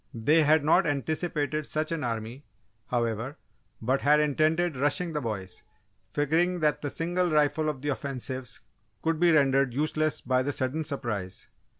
They had not anticipated such an army, however, but had intended "rushing" the boys, figuring that the single rifle of the offensives could be rendered useless by the sudden surprise.